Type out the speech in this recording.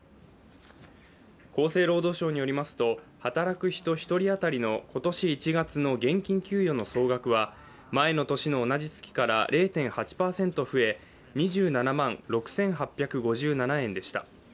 厚生労働省によりますと、働く人１人当たりの今年１月の現金給与の総額は前の年の同じ月から０．８％増え２７万６８５７円でした。